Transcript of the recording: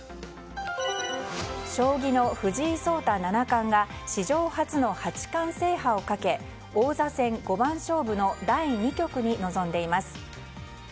将棋の藤井聡太七冠が史上初の八冠制覇をかけ王座戦五番勝負の第２局に臨んでいます。